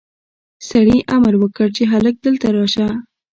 سړي امر وکړ چې هلک دلته راشه.